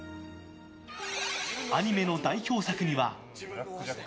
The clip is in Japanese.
アニメの代表作には。